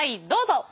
どうぞ！